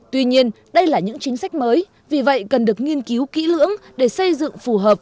tuy nhiên đây là những chính sách mới vì vậy cần được nghiên cứu kỹ lưỡng để xây dựng phù hợp